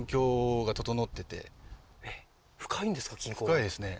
深いですね。